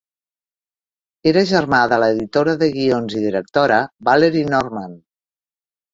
Era germà de l'editora de guions i directora Valerie Norman.